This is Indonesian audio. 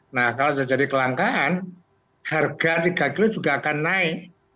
nah kalau sudah jadi kelangkaan harga tiga kg juga akan naik